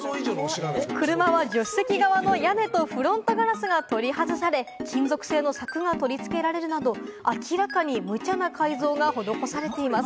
車は助手席側の屋根とフロントガラスが取り外され、金属製の柵が取り付けられるなど、明らかに、ムチャな改造が施されています。